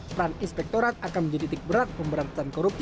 peran inspektorat akan menjadi titik berat pemberantasan korupsi